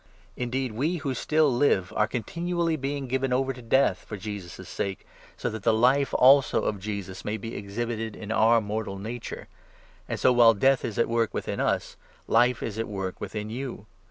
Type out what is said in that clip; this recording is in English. Indeed, 1 1 we who still live are continually being given over to death for Jesus' sake, so that the Life also of Jesus may be exhibited in our mortal nature. And so, while death is at work within us, 12 Life is at work within you.